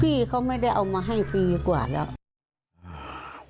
พี่เขาไม่ได้เอามาให้ทีกว่าแล้ว